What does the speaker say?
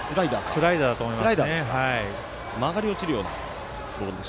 スライダーだと思いますね。